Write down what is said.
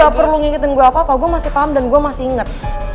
lo perlu ngingetin gue apa gue masih paham dan gue masih inget